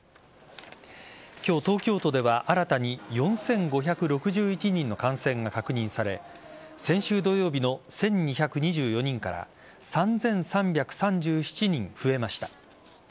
今日、東京都では新たに４５６１人の感染が確認され先週土曜日の１２２４人から３３３７人増えました。